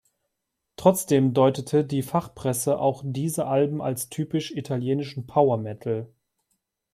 Trotzdem deutete die Fachpresse auch diese Alben als typisch italienischen Power Metal.